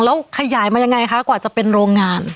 แล้วขยายมายังไงคะกว่าจะเป็นโรงงาน